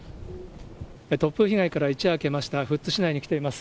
突風被害から一夜明けました富津市内に来ています。